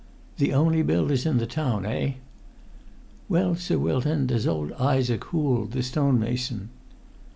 "The only builders in the town, eh?" "Well, Sir Wilton, there's old Isaac Hoole, the stonemason."